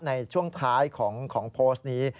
ในช่วงท้ายของโพสต์นี้